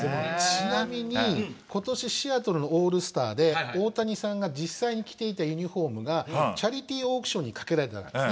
ちなみに今年のシアトルのオールスターで大谷さんが着ていたユニフォームチャリティーオークションにかけられたんです。